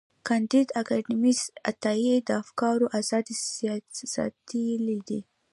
کانديد اکاډميسن عطایي د افکارو ازادي ستایلې ده.